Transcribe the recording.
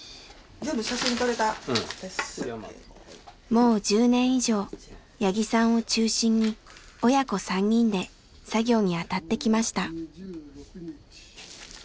もう１０年以上八木さんを中心に親子３人で作業に当たってきました。